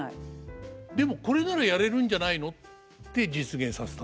でもこれならやれるんじゃないのって実現させた。